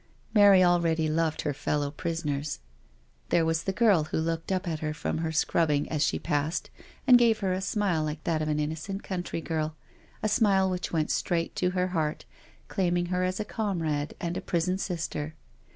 Mary already loved her fellow prisoners. There was the girl who looked up at her from her scrubbing as she passed and gave her a smile like that of an inno cent country girl— a smile which went straight to her heart, claiming her as a comrade and a prison sister.